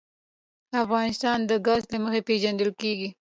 افغانستان د ګاز له مخې پېژندل کېږي.